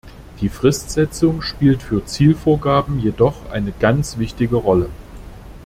Die Fristsetzung spielt für Zielvorgaben jedoch eine ganz wichtige Rolle.